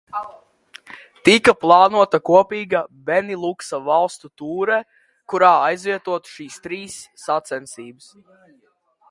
Tika plānota kopīga Beniluksa valstu tūre, kura aizvietotu šīs trīs sacensības.